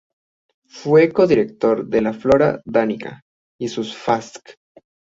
Fue coeditor de "Flora Danica" y sus fasc.